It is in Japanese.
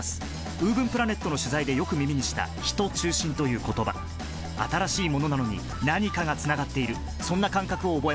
ウーブンプラネットの取材でよく耳にした「ヒト中心」という言葉新しいものなのに何かがつながっているそんな感覚を覚えました